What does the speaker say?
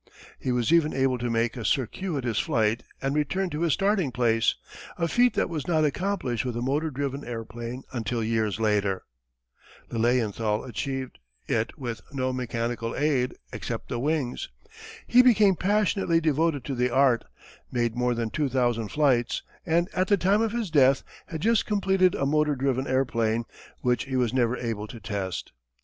He was even able to make a circuitous flight and return to his starting place a feat that was not accomplished with a motor driven airplane until years later. Lilienthal achieved it with no mechanical aid, except the wings. He became passionately devoted to the art, made more than two thousand flights, and at the time of his death had just completed a motor driven airplane, which he was never able to test.